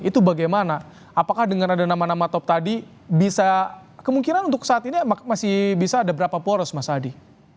itu bagaimana apakah dengan ada nama nama top tadi bisa kemungkinan untuk saat ini masih bisa ada berapa poros mas adi